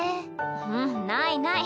うんないない。